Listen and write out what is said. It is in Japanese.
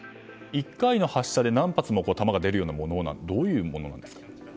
１回の発射で何発も弾が出るようなものなんですか？